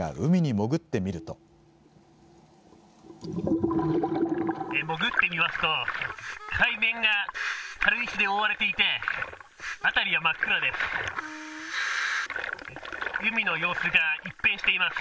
潜ってみますと、海面が軽石で覆われていて、辺りは真っ暗です。